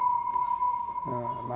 うんまあ